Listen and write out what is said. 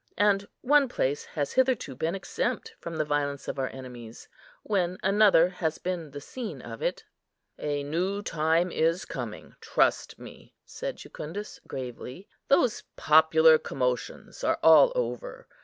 And one place has hitherto been exempt from the violence of our enemies, when another has been the scene of it." "A new time is coming, trust me," said Jucundus, gravely. "Those popular commotions are all over.